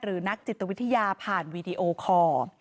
นักจิตวิทยาผ่านวีดีโอคอร์